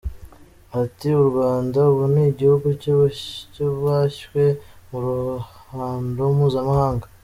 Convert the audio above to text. Ati “U Rwanda ubu ni igihugu cyubashywe mu ruhando mpuzamahanga.